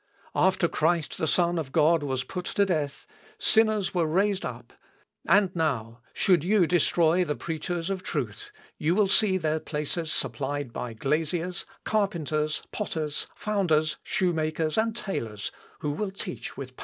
After Christ the Son of God was put to death, sinners were raised up. And now, should you destroy the preachers of truth, you will see their places supplied by glaziers, carpenters, potters, founders, shoemakers, and tailors, who will teach with power."